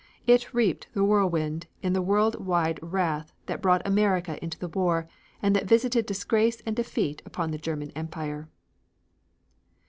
It reaped the whirlwind in the world wide wrath that brought America into the war, and that visited disgrace and defeat upon the German Empire.